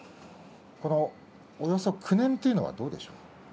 このおよそ９年というのはどうでしょうか？